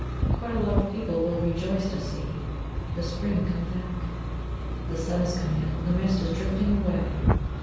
Quite a lot of people will rejoice to see the Spring come back. The sun is coming out, the mist is drifting away.